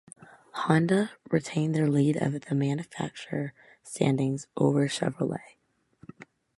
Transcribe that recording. Honda retained their lead of the manufacturer standings over Chevrolet.